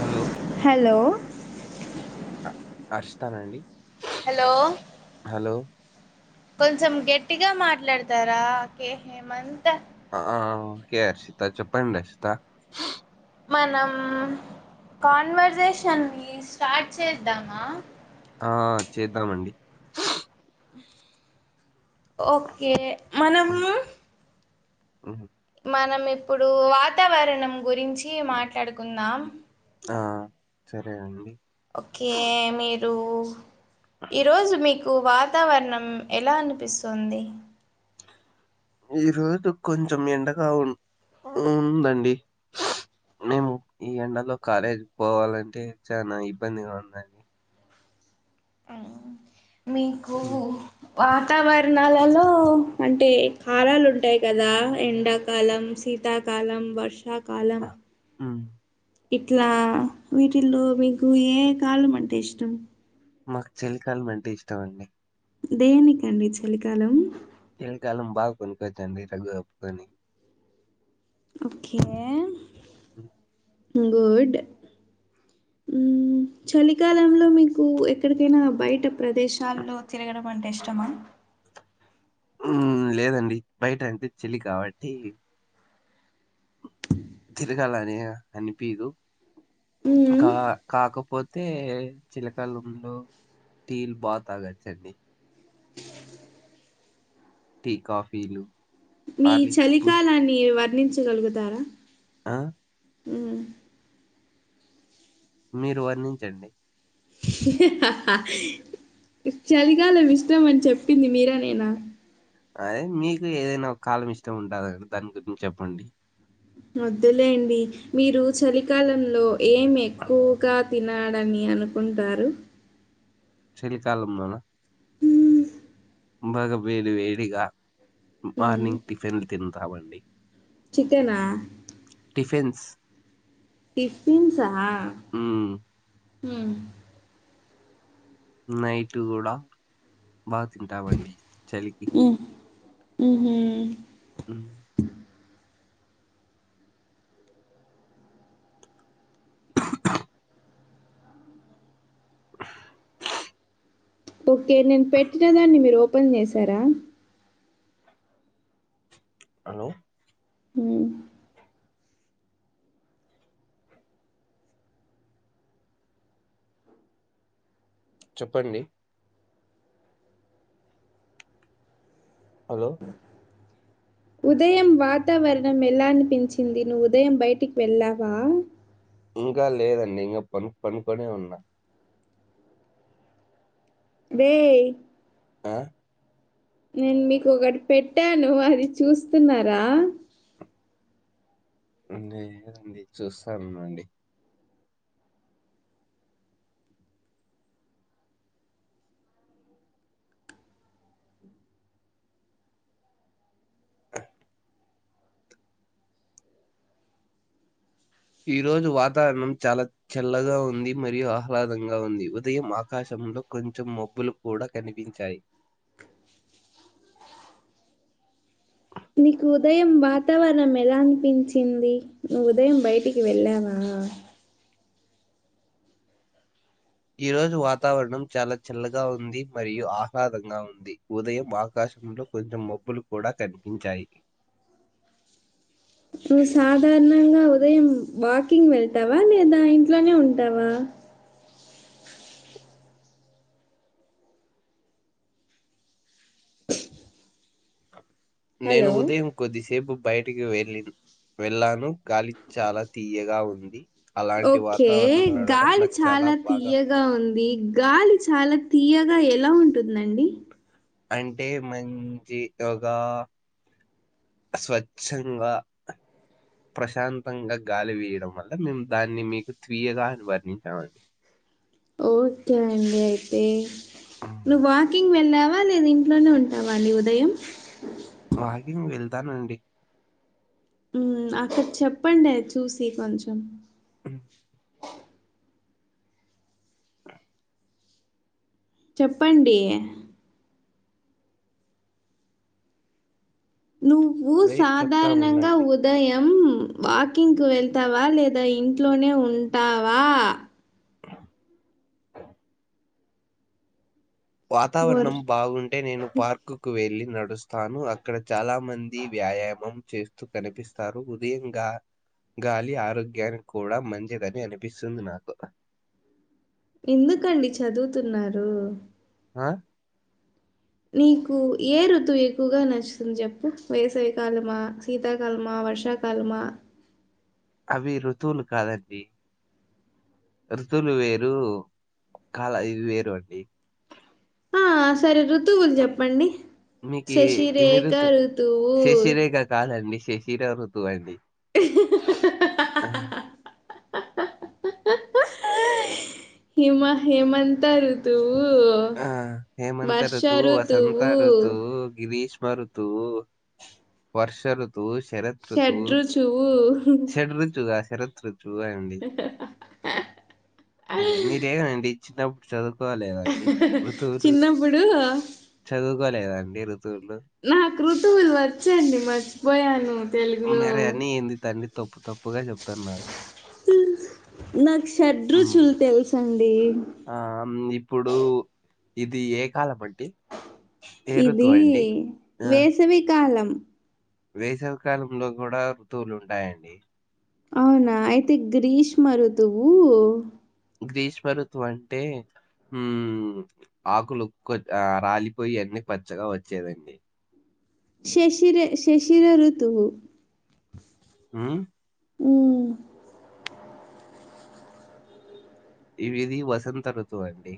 Hello hello అర్షితానండి hello hello కొంచెం గట్టిగా మాట్లాడతారా కే హేమంత్ ఆ ఆ ఓకే అర్షిత చెప్పండి అర్షిత మనం కాన్వర్సేషన్ని స్టార్ట్ చేద్దామా ఆ చేద్దామండి ఓకే మనము మ్ హు మనం ఇప్పుడు వాతావరణం గురించి మాట్లాడుకుందాం ఆ సరే అండి రూ ఈ రోజు మీకు కు వాతావరణం ఎలా అనిపిస్తుంది. ఈ రోజు కొంచెం ఎండగా ఉం ఉందండి. మేము ఈ ఎండలో కాలేజీ పోవాలంటే చానా ఇబ్బందిగా ఉందండి. అవును ఉహ్ వాతావరణాలలో అంటే కాలాలు ఉంటాయి కదా. ఎండాకాలం, శీతాకాలం, వర్ష శ కాలం ఆ, ఉమ్, ఇట్లా వీటిల్లో మీకు ఏ కాలం అంటే ఇష్టం. మాకు చలికాలం అంటే ఇష్టం అండి. దేనికండి చలికాలం. చెలికాలం బాగా పనుకొచ్చండి. రఘుగాపుకొనీ ఓకే ఉహ్ గుడ్ ఉహ్మ్ చలికాలంలో మీకు ఎక్కడికైనా బయట ప్రదేశాల్లో తిరగడం అంటే ఇష్టమా. ఉహ్ లేదండి బయట అంటె చెలి కాబట్టి గా అనిపియదు మ్మ్ కా కాకపోత్ అయితే చిలకాలంలో టిల్ బా తాగచ్చండి. టీ, కాఫీలు మీ హార్లిక్స్ చలికాలాన్ని వర్ణించ్ గలుగుతారా ఆహ్ ఉహ్మ్ మీరు వర్ణించండి. చలికాలం ఇష్టం. అని చెప్పింది మీరా నేనా అదే మీకు ఏదైనా ఒక కాలం ఇష్టం ఉంటంది. దాని గురించి చెప్పండి. వదులేండి. మీరు చలికాలంలో ఏం ఎక్కువగా తినలని అనుకుంటారు. చల్కాాలంలోన్నా. మ్మ్. బాగా వేడు వేడిగా. మా మ్మ్. మార్నింగ్ టిఫిన్ తిన్ తావండి చికెనా టిఫీన్స్ టిఫిన్ సా ఉహ్మ్ నైట్ కూడా బాగా తింటావండి. చలికి ఉహ్ హు ఉహ్ ఓకే నేను పెట్టినదాన్ని మీరు ఉమే శారా హలో హమ్ చెప్పండి హలో ఉదయం వాతావరణం ఎలా అనిపించింది నువ్వు ఉదయం బయటికి వెళ్ళావా ఇంకా లేదండి ఇంకా పను పనుకొనే ఉన్నా రే ఆ నేను మీకు ఒకటి పెట్టాను అది చూస్తున్నారా నదండి చూస్తానున్నాండి ఈ రోజు వాతావరణం చాలా చల్లగా ఉంది మరియు ఆహ్లాదంగా ఉంది ఉదయం ఆకాశంలో కొంచెం మబ్బులు కూడా కనిపించాయి నీకు ఉదయం వాతావరణం ఎలా అనిపించింది నువ్వు ఉదయం బయటికి వెళ్ళావా ఈరోజు వాతావరణం చాలా చల్లగా ఉంది మరియు ఆహ్లాదంగా ఉంది ఉదయం ఆకాశంలో కొంచెం మబ్బులు కూడా కనిపించాయి నువ్వు సాధారణంగా ఉదయం వాకింగ్ వెళ్తావా లేదా ఇంట్లోనే ఉంటావా నేను హలో! ఉదయం కొద్ది సేపు బయట ఇంటికి వెళ్ళి వెళ్ళాను గాలి చాలా తీయగా ఉంది ది ఓకే గాలి చాలా తీయగా ఉంది గాలి చాలా తీయగా ఎలా ఉంటుందండి అంటే మంచి ఒక స్వచ్ఛంగా ప్రశాంతంగా గాలి వీయడం వల్ల మేము దాన్ని మీకు తియగా అని వర్ణించామండి ఓకే అండి అయితే నువ్వు వాకింగ్ వెళ్ళావా లేదా ఇంట్లోనే ఉంటావా అండి ఉదయం వాకింగ్ వెళ్తానండి అమ్ అక్కడ చెప్పండి అది చూసి కొంచెం అమ్ చెప్పండి నువ్వు వెయిట్ సాధారణంగా చెప్తాముండండి. ఉదయం ఉమ్ వాకింగ్ కు వెళ్తావా లేదా లేదా ఇంట్లోనే ఉంటావా వర్ వాతావరణం బాగుంటే నేను పార్క్ కు వెళ్ళి నడు స్తాను అక్కడ చాలా మంది వ్యాయామం చేస్తూ కనిపిస్తారు ఉదయం గాలి ఆరోగ్యానికి కూడా మంచిదని అనిపిస్తుంది నాకు ఎందుకండి చదువుతున్నారు ఆ నీకు ఏ ఋతువు ఎక్కువగా నచ్చుతుంది చెప్పు వేసవికాలమా శీతాకాలమా వర్షాకాలమా అవి ఋతువులు కాదండి ఋతువులు వేరు కాల ఇది వేరు అండి ఆ సరే ఋతువులు చెప్పండి మీకి ఎన్ని శశిరేఖ ఋతు ఋతువు శషీరఋతు అండి ఆ. [unintelligible] హిమ హేమంత ఋతూ ఆ హేమంత రుతువు వసంత ఋతువు రుతువు గ్రీష్ మ ఋతువు వర్ష ఋ తువు షరత్ ఋతువు షడ్రుచువు షడ్ రుచుగా ఋత్రృ చూ అండి మీరేగండి చిన్నప్పుడు చదువు కోలేద ఇది [unintelligible] చిన్నప్పుడు కోలేదండి ఋ తువులు నాకు ఋతువులు వచ్చండి మర్చిపోయాను తెలుగులో మరి అన్నీ ఏంది తండ్రి తప్పు తప్పుగా చెప్తున్నారు అ నాకు షడ్రుచులు తెలు ఆమ్ ఇప్పుడు ఇది ఏ కాలం అండి ఏ ఇది ఋతువు అండి వేసవి కాలం వేసవ కాలంలో కూడా ఋతువులు ఉంటాయండి అవునా అయితే గ్రీష్మ రుతువు గ్రీష్మ ఋతువు అంటే ఊ ఆకులు కొ రాలిపోయి అన్ని పచ్చగా వచ్చేదండి శిశిర శిశిర ఋతువు ఊ ఊ ఇవిది వసంత ఋతువండి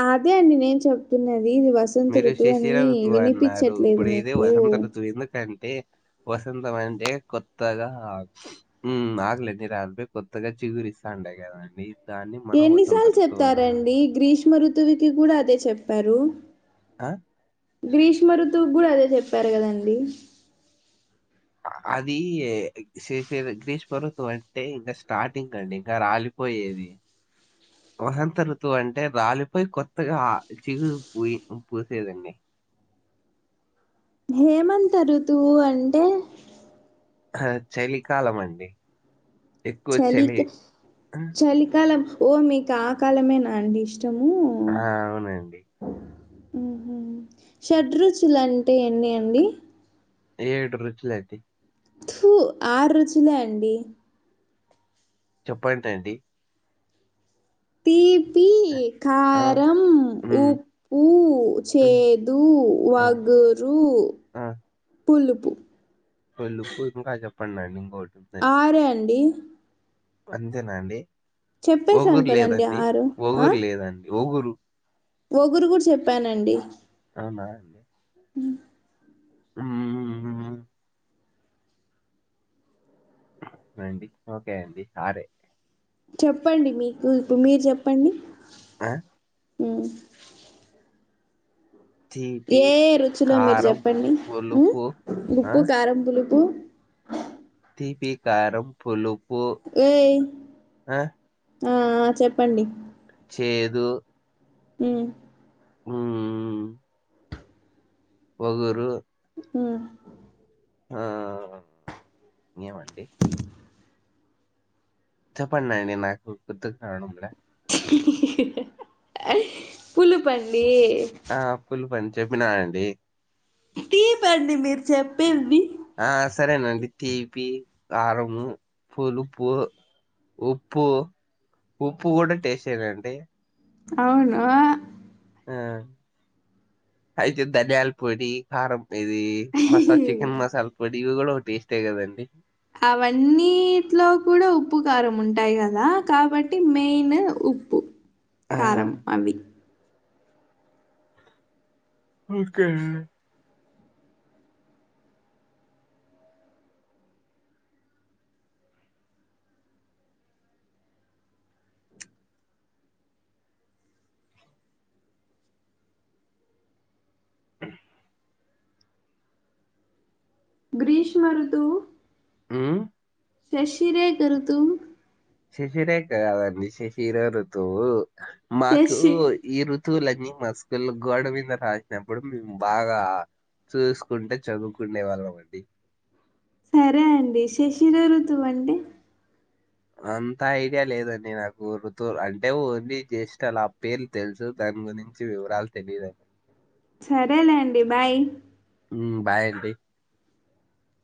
అదే అండి నేను చెప్తున్నది ఇది వసంత మీరు ఋతువు అని శిశిర ఋతువు అన్నారు వినిపించట్లేదు మీకు టే వసంతం అంటే కొత్తగా ఊ ఆకులన్ని రాలిపోయి కొత్తగా చిగురిస్తాండ కదండి దాన్ని మనం వసంత ఎన్నిసార్లు ఋతువు అన్- చెప్తారండి గ్రీష్ మఋతువుకి కూడా అదే చెప్పారు అ గ్రీష్మ ఋతువు కూడా అదే చెప్పారు కదండి అది శిశిర్ గ్రీష్మ ఋతువంటే ఇంకా స్టార్టింగ్ అండి ఇంకా రాలిపోయేది వసంత ఋతువు అంటే రాలిపోయి కొత్తగా ఆ చిగు పూయి పూసేదండి హేమంత ఋతువు అం హ చలికాలం అండి ఎక్కువ చలిక చలి చలికాలం ఓ మీకు ఆ కాలమే నాండి ఇష్ ఆ అవునండి షడ్రు రుచులా అంటే ఎన్ని అండి ఏడు రుచులండి త్పు ఆరు రుచులే అండి చెప్పంటడి తీ తీ ఆ, కారం ఉమ్, ఉప్పు ఉమ్, చేదు ఆ, వగురు పులుపు తెలుసు ఇంకా చెప్పండి అండి ఇన్ కోకటి ఆరే అండి అంతేనా అండి చెప్పేశాను కదండి ఆరు ఆ వొగురు ఒగురు కూడా చెప్పానండి అవునా ఉ మ్యావ్ ఎమ్ అండి ఓకే అండి ఆరే చెప్పండి మీకు ఇప్పు మీరు చెప్పండి ఆ హు తీపి ఏ రుచిలో మీరు కారం చెప్పండి హు పులుపు ఆ ఉప్పు కారం పులుపు తీపి కరం పులు పో ఆ ఒ ఒ చెప్పండి చేదు హ్మ్ మ్మ్ వగరు మ్మ్ ఆ ఇంగేమండి చెప్పడి [inaudible] నండి నాకు గుర్తుకు రావడం ల్య పులుపు అండి ఆ ఫుల్ పంచ్ చెప్పిన అండి తీపి అండి మీరు చెప్పింది ఆ సరేనండి తీపి కారము పులుపు ఉప్పు ఉప్పు కూడా టెస్ట్ ఏనండి అవును ఆ అయితే ధనియాల పొడి కారం ఇది మసా చికెన్ మసాలా పో దీవి కూడా ఒ టేస్ట్ ఏ కదండి అవన్నీట్లో కూడా ఉప్పు కారం ఉంటాయి కదా కాబట్టి మెయిన్ ఉప్పు ఆ కారం అవి ఓకే గ్రీష్మ రూతువు హు మ్ శశిరేకరుతువు శిశిరేక కదండీ శిశిర ఋతువు మాకు శశి ఈరు తువులన్నీ మా స్కూళ్ళో గోడ మీద రాసినప్పుడు మేము బాగా చూసుకుంటే చదువుకునే వాళ్ళమండి సరే అండి శశిర ఋతువు అంటే అంత ఐడియా లేదండి నాకు ఋతువు అంటే ఓన్లీ జ్యేష్లు ఆ పేర్లు తెలుసు దాని గురించి వివరాలు తెలియదండి సరేలేండి బాయ్ హు బాయ్ అండి